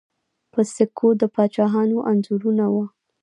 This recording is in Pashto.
په سکو د پاچاهانو انځورونه وو